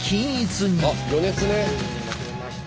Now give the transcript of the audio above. あっ余熱ね。